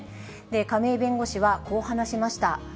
亀井弁護士は、こう話しました。